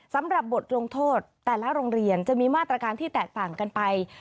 สำหรับบทลงโทษแต่ละโรงเรียนจะมีมาตรการที่แตกต่างกันไป